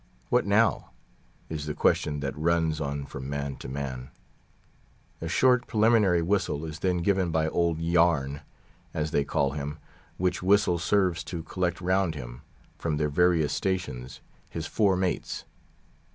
What now? is the question that runs on from man to man. A short preliminary whistle is then given by "Old Yarn," as they call him, which whistle serves to collect round him, from their various stations, his four mates.